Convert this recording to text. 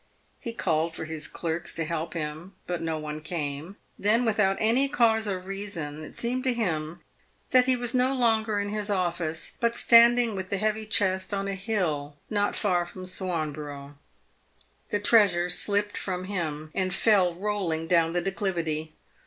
He called for his clerks to help him, but no one came. Then, without any cause or reason, it seemed to him that he was no longer in his office, but standing with the heavy chest on a hill not far from Swanborough. The treasure slipped from him and fell rolling down the declivity.